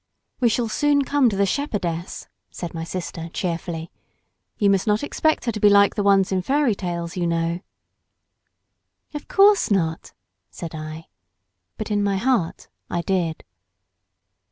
"We shall soon come to the shepherdess," said my sister, cheerfully. "You must not expect her to be like the ones in fairy tales, you know." "Of course not," said I; but in my heart I did.